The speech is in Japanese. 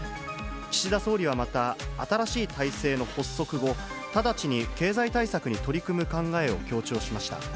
岸田総理はまた、新しい体制の発足後、直ちに経済対策に取り組む考えを強調しました。